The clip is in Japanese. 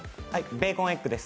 ベーコンエッグです。